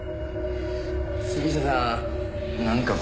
杉下さんなんかここ。